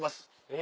え！